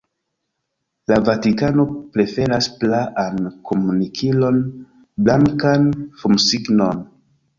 La Vatikano preferas praan komunikilon: blankan fumsignon.